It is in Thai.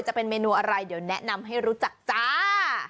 จะเป็นเมนูอะไรเดี๋ยวแนะนำให้รู้จักจ้า